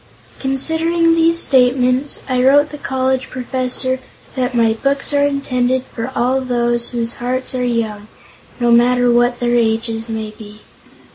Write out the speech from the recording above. Considering these statements, I wrote the college professor that my books are intended for all those whose hearts are young, no matter what their ages may be.